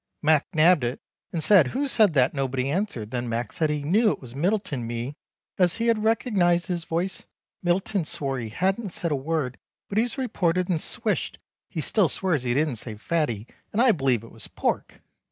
Mac nabbed it and said who said that nobody answered then Mac said he knew it was Middleton mi as he had recognised his voice Middleton swore he hadn't said a word but he was reported and swished he still swears he didn't say Fatty and I believe it was Pork.